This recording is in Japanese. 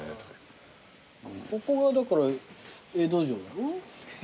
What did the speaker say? ここがだから江戸城だろ。